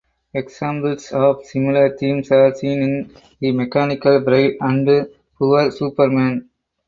Examples of similar themes are seen in "The Mechanical Bride" and "Poor Superman".